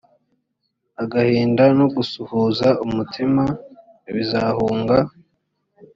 agahinda no gusuhuza umutima bizahunga